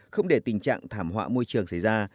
không để tình trạng thảm họa môi trường xảy ra